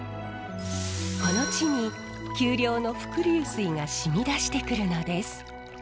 この地に丘陵の伏流水がしみ出してくるのです。